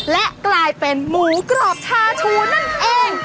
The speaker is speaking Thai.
และกลายเป็นหมูกรอบชาชูนั่นเอง